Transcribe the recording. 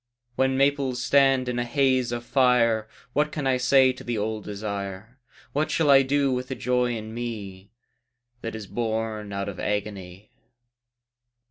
When maples stand in a haze of fire What can I say to the old desire, What shall I do with the joy in me That is born out of agony?